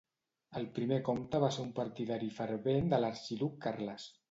El primer comte va ser un partidari fervent de l'Arxiduc Carles.